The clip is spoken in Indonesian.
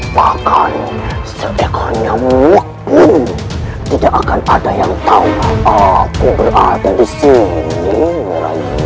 bahkan seekor nyamuk pun tidak akan ada yang tahu aku berada di sini lagi